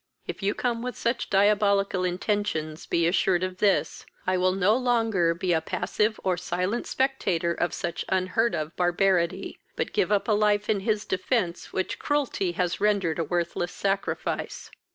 If you come with such diabolical intentions, be assured of this, I will no longer be a passive or silent spectator of such unheard of barbarity, but give up a life in his defence which cruelty has rendered a worthless sacrifice.